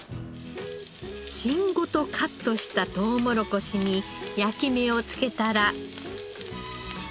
芯ごとカットしたとうもろこしに焼き目をつけたら。